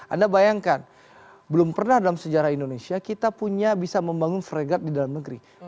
anda bayangkan belum pernah dalam sejarah indonesia kita punya bisa membangun fregat di dalam negeri